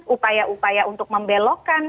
upaya upaya untuk membelokkan